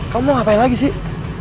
kamu mau ngapain lagi sih